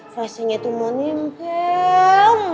fasenya tuh mau nempel